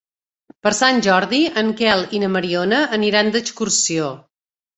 Per Sant Jordi en Quel i na Mariona aniran d'excursió.